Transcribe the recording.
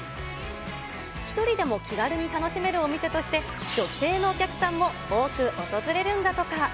１人でも気軽に楽しめるお店として、女性のお客さんも多く訪れるんだとか。